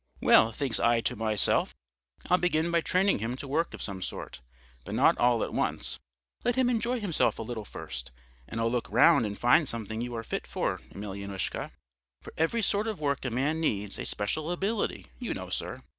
"Well, thinks I to myself, I'll begin by training him to work of some sort, but not all at once; let him enjoy himself a little first, and I'll look round and find something you are fit for, Emelyanoushka. For every sort of work a man needs a special ability, you know, sir.